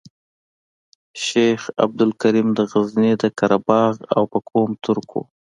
شیخ عبدالکریم د غزني د قره باغ او په قوم ترک وو.